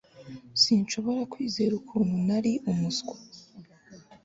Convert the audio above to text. Sinshobora kwizera ukuntu nari umuswa